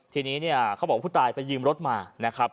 ทีนี้เนี่ยเขาบอกว่าผู้ตายไปยืมรถมานะครับ